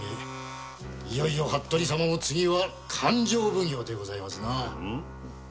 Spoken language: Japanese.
いよいよ服部様も次は勘定奉行でございますな。